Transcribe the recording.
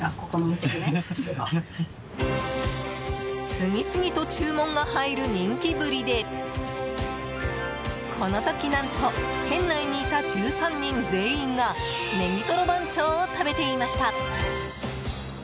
次々と注文が入る人気ぶりでこの時何と店内にいた１３人全員がねぎとろ番長を食べていました。